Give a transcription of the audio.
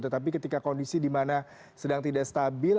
tetapi ketika kondisi di mana sedang tidak stabil